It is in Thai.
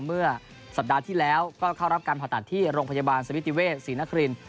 เมื่อสัปดาห์ที่แล้วก็เข้ารับการผ่าตัดที่โรงพยาบาลสมิติเวศศรีนคริน